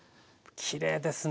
きれいですね。